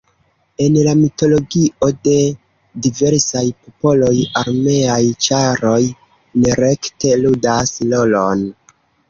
En la mitologio de diversaj popoloj armeaj ĉaroj nerekte ludas rolon.